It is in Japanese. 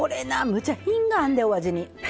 むっちゃ品があるで、お味に。